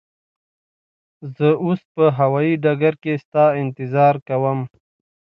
زه اوس به هوایی ډګر کی ستا انتظار کوم.